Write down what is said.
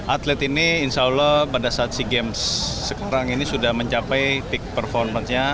atlet ini insya allah pada saat sea games sekarang ini sudah mencapai peak performance nya